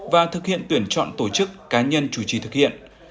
và thực hiện tuyển chọn tổ chức cá nhân chủ trì thực hiện